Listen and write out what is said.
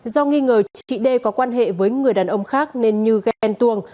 do nghi ngờ chị đê có quan hệ với người đàn ông khác nên như ghen